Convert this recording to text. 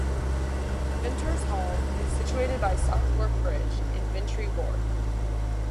Vintners' Hall is situated by Southwark Bridge, in Vintry ward.